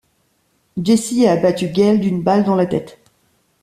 Jesse a abattu Gale d'une balle dans la tête.